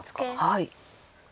はい。